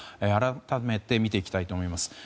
改めて見ていきたいと思います。